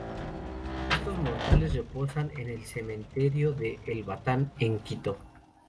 Los restos mortales reposan en el Cementerio de El Batán en Quito.